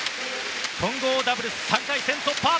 混合ダブルス３回戦突破！